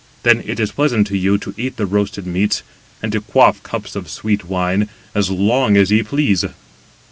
Then it is pleasant to you to eat the roasted meats, and to quaff cups of sweet wine, as long as ye please.